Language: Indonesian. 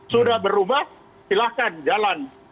sudah berubah silahkan jalan